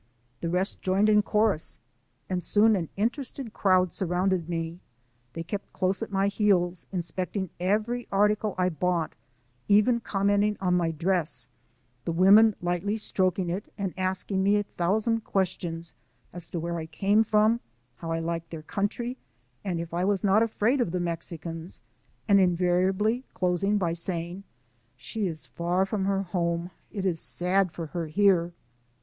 The rest joined in chorus, andioon an interested crowd surrounded me. They kept close at my heels, inspecting every article I bought, even com menting on my dress, the women lightly stroking it and asking me a thousand questions as to where I came from, how I liked their coun try, and if I was not afraid of the Mexicans, and invariably closing by saying, "She is far from her home. It is sad for her here."